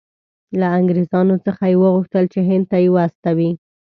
له انګریزانو څخه یې وغوښتل چې هند ته یې واستوي.